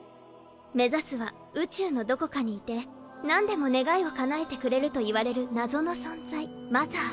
目指すは宇宙のどこかにいて何でも願いを叶えてくれるといわれる謎の存在・マザー。